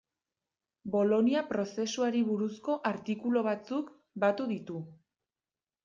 Bolonia prozesuari buruzko artikulu batzuk batu ditu.